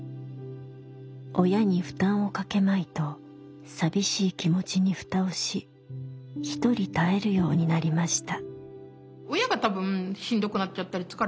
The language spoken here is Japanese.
親に負担をかけまいと寂しい気持ちにふたをしひとり耐えるようになりました。